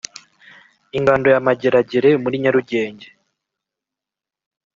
Ingando ya Mageragere muri Nyarugenge